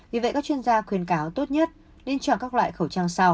vì vậy các chuyên gia khuyên cáo tốt nhất nên chọn các loại khẩu trang sau